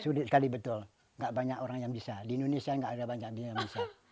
sekali wadud kali betul enggak banyak orang yang bisa di indonesia enggak ada banyak dia bisa